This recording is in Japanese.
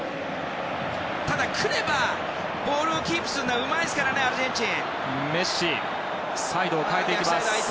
ただ、来ればボールをキープするのはうまいですからねアルゼンチン。